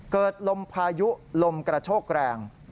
เกิดลมพายุลมกระโชกแรง